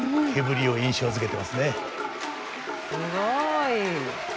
すごい。